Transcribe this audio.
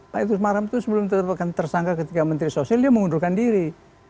pak idrus marham itu sebelum ditetapkan tersangka ketika menteri sosial dia mengundurkan diri